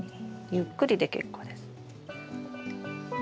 ゆっくりで結構です。